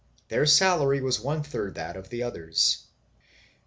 Their salary was one third that of the others.